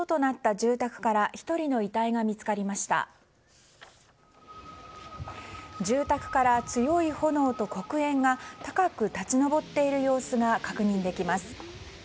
住宅から強い炎と黒煙が高く立ち上っている様子が確認できます。